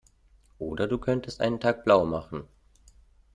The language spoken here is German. Oder du könntest einen Tag blaumachen.